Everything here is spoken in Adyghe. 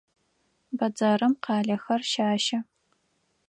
Бэдзэрым къалэхэр щащэ.